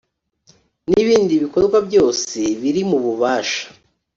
N ibindi bikorwa byose biri mu bubasha